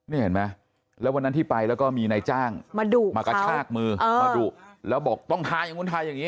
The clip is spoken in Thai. นี่เห็นไหมแล้ววันนั้นที่ไปแล้วก็มีนายจ้างมาดุมากระชากมือมาดุแล้วบอกต้องทาอย่างนู้นทาอย่างนี้